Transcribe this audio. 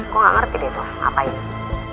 kok nggak ngerti deh tuh apa ini